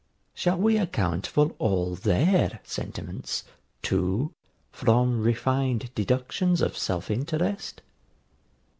Shall we account for all THEIR sentiments, too, from refined deductions of self interest?